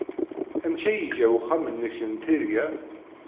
Amek ay iga uxxam-nnek n tirga?